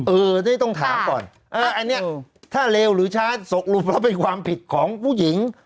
เออนี่ต้องถามก่อนอันนี้ถ้าเลวหรือช้าตกลงแล้วเป็นความผิดของผู้หญิง